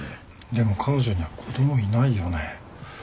でも彼女には子供いないよね。